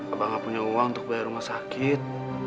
abang nggak punya uang untuk bayar rumah sakit